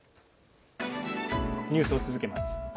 ニュースを続けます。